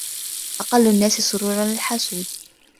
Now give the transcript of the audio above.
أقل الناس سروراً الحسود